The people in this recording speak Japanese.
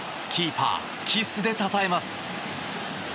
キーパー、キスでたたえます。